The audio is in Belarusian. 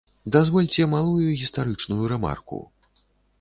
Дазвольце малую гістарычную рэмарку.